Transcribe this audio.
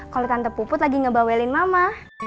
kalau tante puput lagi ngebawelin mama